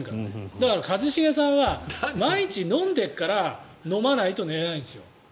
だから、一茂さんは毎日飲んでいるから飲まないと寝れないんですよ。